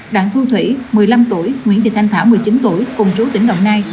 đặng thu thủy một mươi năm tuổi nguyễn thị thanh thảo một mươi chín tuổi cùng trú tỉnh đồng nai